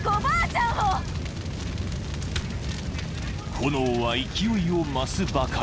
［炎は勢いを増すばかり］